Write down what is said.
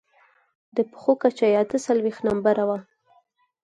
د پښو کچه يې اته څلوېښت نمبره وه.